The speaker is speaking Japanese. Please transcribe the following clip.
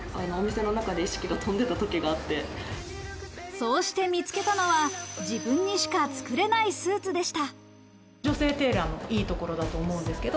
そうして見つけたのは自分にしか作れないスーツでした。